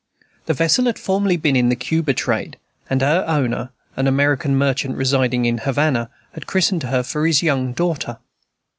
The vessel had formerly been in the Cuba trade; and her owner, an American merchant residing in Havana, had christened her for his young daughter.